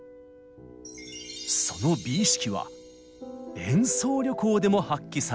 その美意識は演奏旅行でも発揮されました。